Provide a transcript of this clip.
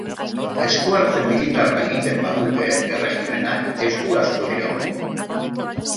Eskuhartze militarra egiten badute, erregimenak ez du asko iraungo.